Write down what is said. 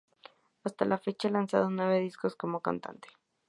Hasta la fecha ha lanzado nueve discos como cantante.